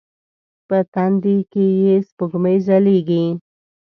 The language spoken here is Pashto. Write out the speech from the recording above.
په تندې کې یې سپوږمۍ ځلیږې